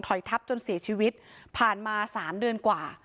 ทับจนเสียชีวิตผ่านมา๓เดือนกว่า